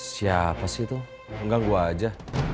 siapa sih itu mengganggu aja